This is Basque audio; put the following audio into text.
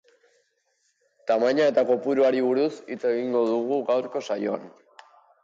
Tamaina eta kopuruari buruz hitz egingo dugu gaurko saioan.